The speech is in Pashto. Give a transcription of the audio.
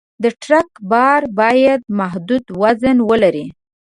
د ټرک بار باید محدود وزن ولري.